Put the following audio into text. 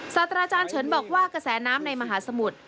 สัตว์อาจารย์เฉินบอกว่ากระแสน้ำในมหาสมุทร